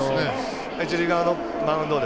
一塁側のマウンドを。